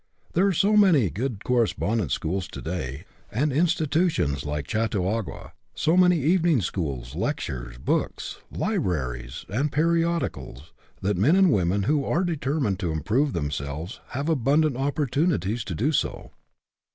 There are so many good correspondence schools to day, and institutions like Chautauqua, so many evening schools, lectures, books, libraries, and periodi cals, that men and women who are determined to improve themselves have abundant oppor tunities to do so.